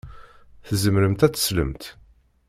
Tzemremt ad teslemt?